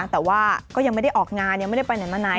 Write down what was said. แต่ว่าก็ยังไม่ได้ออกงานยังไม่ได้ไปไหนมาไหน